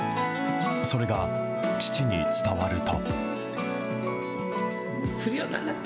それが父に伝わると。